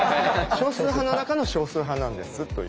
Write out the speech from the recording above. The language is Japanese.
少数派の中の少数派なんですという。